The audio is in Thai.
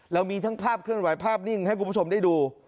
เรามีทั้งภาพเคลื่อนไหวภาพนิ่งให้คุณผู้ชมได้ดู